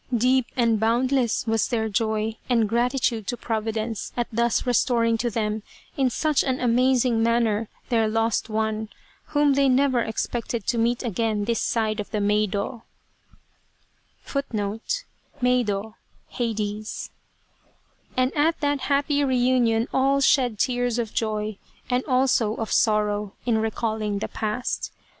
Deep and boundless was their joy and gratitude to Providence at thus restoring to them, in such an amazing manner, their lost one, whom they never expected to meet again this side of the Meido* and at that happy reunion all shed tears of joy, and also of sorrow, in recalling the past.